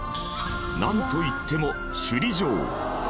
なんと言っても首里城。